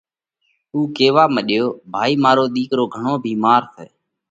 اُو ڪيوا مڏيو: ڀائِي مارو ۮِيڪرو گھڻو ڀيمار سئہ،